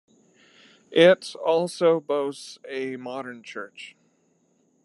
It also boasts a modern church.